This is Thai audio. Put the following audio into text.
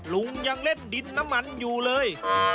ลุงยังเล่นดินน้ำมันอยู่เลย